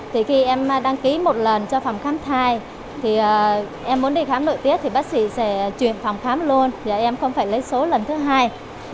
thì khi em đăng ký một lần cho phòng khám thai thì em muốn đi khám nội tiết thì bác sĩ sẽ chuyển phòng khám luôn và em không phải lấy số lần thứ hai